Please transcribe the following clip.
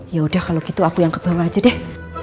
yaudah kalau gitu aku yang ke bawah aja deh